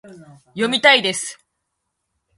読みたいです